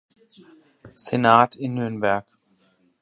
Senat in Nürnberg.